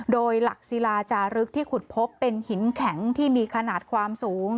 โดยหลักศิลาจารึกที่ขุดพบเป็นหินแข็งที่มีขนาดความสูง